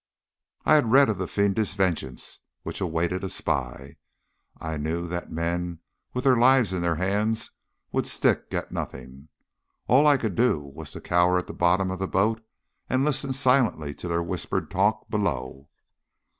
I had read of the fiendish vengeance which awaited a spy. I knew that men with their lives in their hands would stick at nothing. All I could do was to cower at the bottom of the boat and listen silently to their whispered talk below.